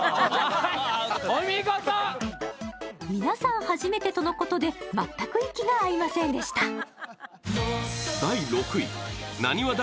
皆さん初めてとのことで全く息が合いませんでした。